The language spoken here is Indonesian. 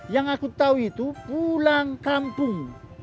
yang aku tahu itu pulang kampung